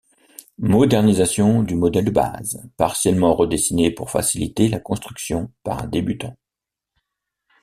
Modernisation du modèle de base, partiellement redessiné pour faciliter la construction par un débutant.